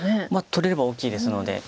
取れれば大きいですので。